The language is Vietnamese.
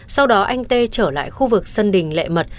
sau đó anh tê trở lại khu vực sân đình lệ mật